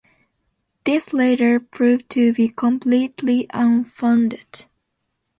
This later proved to be completely unfounded.